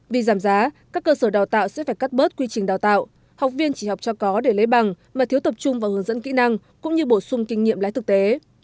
vì giảm giá các cơ sở đào tạo sẽ phải cắt bớt quy trình đào tạo học viên chỉ học cho có để lấy bằng mà thiếu tập trung vào hướng dẫn kỹ năng cũng như bổ sung kinh nghiệm lái thực tế